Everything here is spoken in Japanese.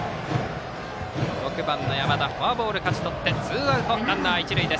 ６番の山田フォアボール勝ち取ってツーアウトランナー、一塁。